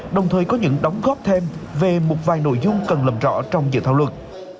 đồng thời có những đóng góp thêm về một vài nội dung cần làm rõ trong dự thảo luật